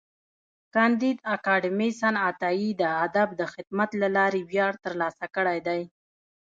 کانديد اکاډميسن عطایي د ادب د خدمت له لارې ویاړ ترلاسه کړی دی.